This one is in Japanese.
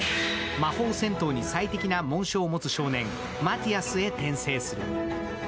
魔法戦闘に最適な紋章を持つ少年、マティアスへ転生する。